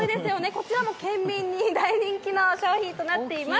こちらも県民の大人気の商品となっています。